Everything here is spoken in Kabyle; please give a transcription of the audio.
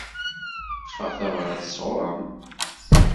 Ṭṭfeɣ tabrat sɣuṛ-m.